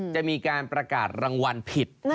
จะมีการประกาศรางวัลผิด